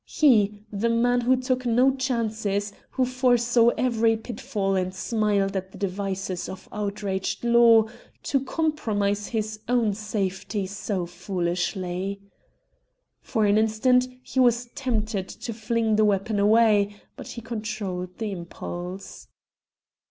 He, the man who took no chances, who foresaw every pitfall and smiled at the devices of outraged law, to compromise his own safety so foolishly! For an instant he was tempted to fling the weapon away, but he controlled the impulse.